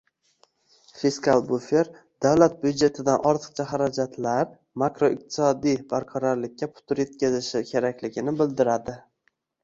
Fiskal bufer davlat byudjetidan ortiqcha xarajatlar makroiqtisodiy barqarorlikka putur etkazishi kerakligini bildiradi